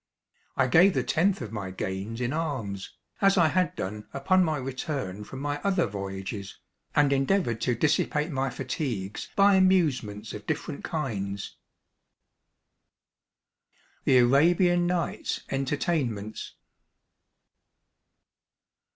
I gave the tenth of my gains in alms, as I had done upon my return from my other voyages, and endeavoured to dissipate my fatigues by amusements of different kinds. "The Arabian Nights Entertainments."